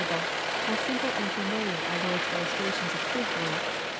e, tow simple and familiar our Lord's illustrations of truth were.